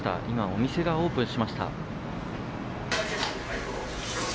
今、お店がオープンしました。